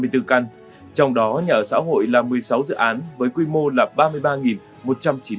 trong đó nhà ở xã hội là một mươi sáu dự án với quy mô là ba mươi ba một trăm chín mươi